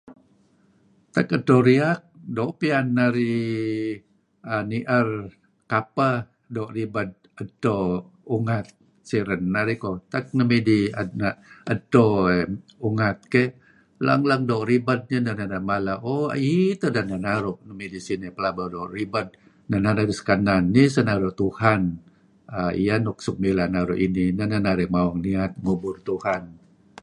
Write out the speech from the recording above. "Tak edto riak doo' piyan narih uhm nier kapeh doo' ribed edto ungat siren narih keyh. Tak nuk midih nga' edto ungat keyh lang-lang doo' ribed neh ineh inan narih mala ""Ooh iih taden neh naru' midih sinih pelaba doo' ribed?"" Nih neh narih ksekanan Sinaru' Tuhan. Iyeh neh suk mileh naru' ineh. Inah neh nah narih mawang niat. Ngubur Tuhan. "